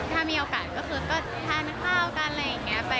ถ้ามีโอกาสก็ฝากกะเข้ากันอะไรอย่างนี้